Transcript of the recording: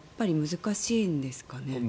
難しいんでしょうかね